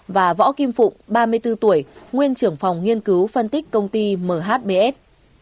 và võ kim phụng ba mươi bốn tuổi nguyên trưởng phòng nghiên cứu phân tích công ty mhbs